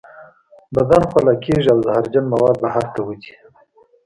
بدن خوله کیږي او زهرجن مواد بهر ته وځي.